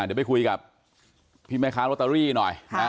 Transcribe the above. เดี๋ยวไปคุยกับพี่แม่ค้าโรตเตอรี่หน่อย